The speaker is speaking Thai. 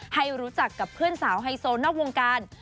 ให้รู้จักกับเพื่อนสาวไฮโซนอกวงการ